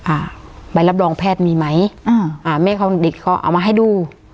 อ่าใบรับรองแพทย์มีไหมอ่าอ่าแม่เขาเด็กเขาเอามาให้ดู